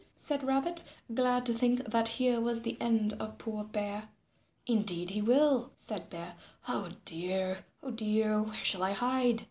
said Rabbit, glad to think that here was the end of poor Bear. "Indeed he will," said Bear. "Oh dear, oh dear, where shall I hide?"